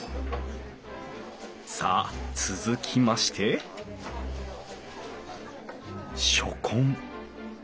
さあ続きまして初献。